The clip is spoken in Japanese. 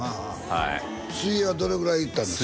はい水泳はどれぐらいいったんですか？